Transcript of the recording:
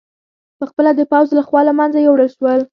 په خپله د پوځ له خوا له منځه یووړل شول